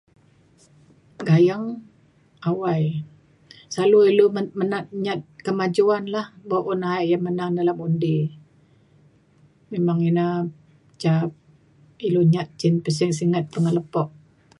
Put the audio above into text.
Gayeng awai selalu ilu menat - menat nyat kemajuan lah bo un a'yek menang alem undi. Memang ina ca ilu nyat cin sin'get - sin'gt pengelepo